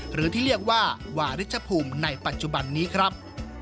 หรือที่เรียกว่าวาริชภูมิในปัจจุบันนี้ครับ